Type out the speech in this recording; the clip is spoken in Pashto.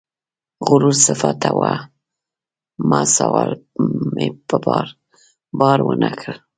غرور صفته ومه سوال مې په بار، بار ونه کړ